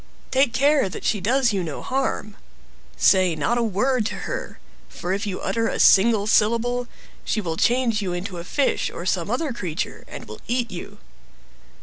Take care that she does you no harm. Say not a word to her; for if you utter a single syllable, she will change you into a fish or some other creature, and eat you.